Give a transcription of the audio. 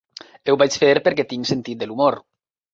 Ho vaig fer perquè tinc sentit de l'humor.